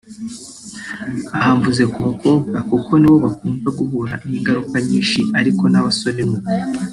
Aha mvuze ku bakobwa kuko nibo bakunda guhura n’ingaruka nyinshi ariko n’abasore ni uko